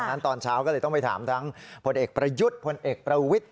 ตอนเช้าก็เลยต้องไปถามทั้งผลเอกประยุทธ์พลเอกประวิทธิ